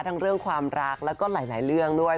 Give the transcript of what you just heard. เรื่องความรักแล้วก็หลายเรื่องด้วย